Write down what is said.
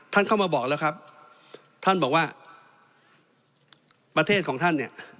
ท่านเข้ามาบอกแล้วครับท่านบอกว่าประเทศของท่านเนี่ย